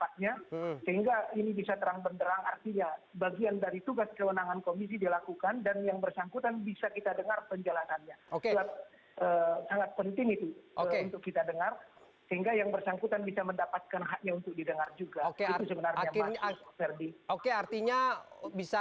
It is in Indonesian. tidak ada makan siang yang gratis